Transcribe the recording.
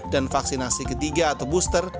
dan vaksinasi ketiga atau booster